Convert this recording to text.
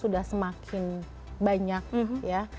ya semakin banyak ya